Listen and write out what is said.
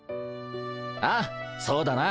ああそうだな。